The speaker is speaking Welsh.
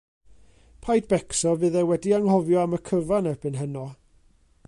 Paid becso, fydd e wedi anghofio am y cyfan erbyn heno.